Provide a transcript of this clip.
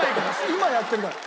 今やってるから！